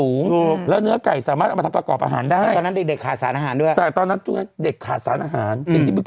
อืมดูสีสัญญาณ